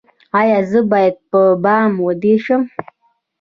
ایا زه باید په بام ویده شم؟